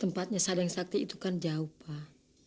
tempatnya sadang sakti itu kan jauh pak